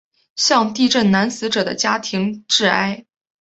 向地震男死者的家庭致哀。